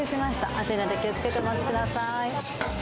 熱いので、気をつけてお持ちください。